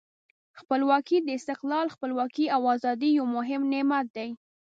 خپلواکي د استقلال، خپلواکي او آزادۍ یو مهم نعمت دی.